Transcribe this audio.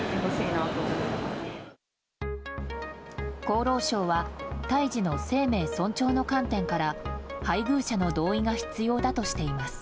厚労省は胎児の生命尊重の観点から配偶者の同意が必要だとしています。